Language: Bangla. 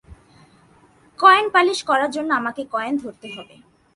কয়েন পালিশ করার জন্যে আমাকে কয়েন ধরতে হবে।